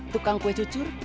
tukang kue cucur